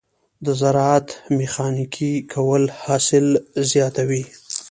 د زراعت ميخانیکي کول حاصل زیاتوي.